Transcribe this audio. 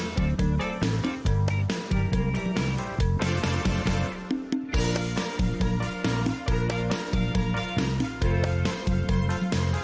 สวัสดีค่ะ